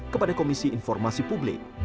kepada komisi informasi publik